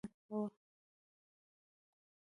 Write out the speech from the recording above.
دوی ډېر ارګی تازه کړل خو چیني حرکت نه کاوه.